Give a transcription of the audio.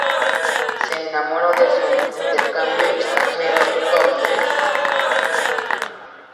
Se enamora de su intercambio extranjero, Tommy.